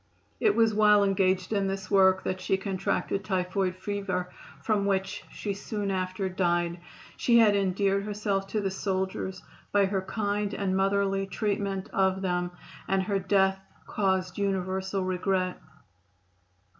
It was while engaged in this work that she contracted typhoid fever, from which she soon after died. She had endeared herself to the soldiers by her kind and motherly treatment of them, and her death caused universal regret.